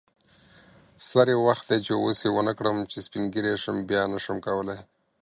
سری وخت دی چی اوس یی ونکړم چی سپین ږیری شم بیا نشم کولی